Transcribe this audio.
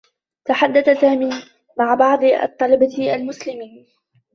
تحدّث سامي مع بعض الطّلبة المسلمين.